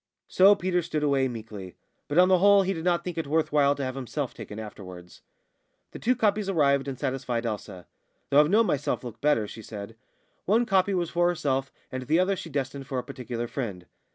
So Peters stood away meekly. But on the whole he did not think it worth while to have himself taken afterwards. The two copies arrived, and satisfied Elsa. "Though I've known myself look better," she said. One copy was for herself, and the other she destined for a particular friend.